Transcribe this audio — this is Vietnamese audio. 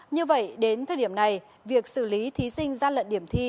như vậy đến thời điểm này việc xử lý thí sinh gian lận điểm thi